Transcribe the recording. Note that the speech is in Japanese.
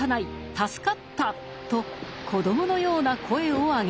助かった」と子どものような声を上げた。